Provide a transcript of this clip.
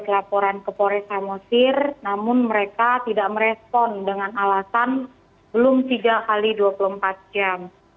saya telah melakukan laporan ke kapolres samusir namun mereka tidak merespon dengan alasan belum tiga x dua puluh empat jam